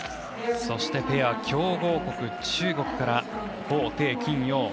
そして、ペア強豪国中国から彭程、金楊。